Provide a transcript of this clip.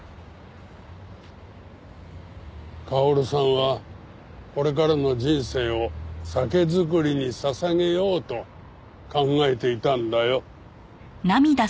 薫さんはこれからの人生を酒造りに捧げようと考えていたんだよ。